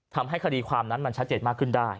ทำให้คดีความนั้นมันชัดเจนมากขึ้นได้